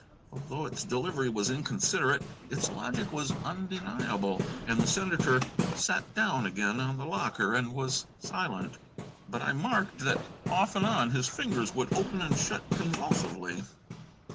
Although its delivery was inconsiderate, its logic was undeniable, and the senator sat down again on the locker, and was silent. But I marked that off and on his fingers would open and shut convulsively.